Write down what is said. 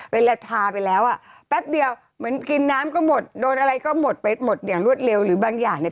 เวลาทาไปแล้วอ่ะแป๊บเดียวเหมือนกินน้ำก็หมดโดนอะไรก็หมดไปหมดอย่างรวดเร็วหรือบางอย่างเนี่ย